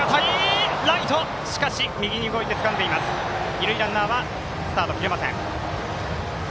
二塁ランナーはスタート切れません。